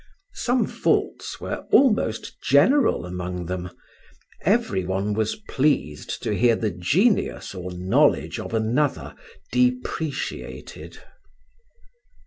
Some faults were almost general among them: every one was pleased to hear the genius or knowledge of another depreciated.